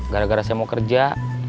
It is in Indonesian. gara gara saya mau kerja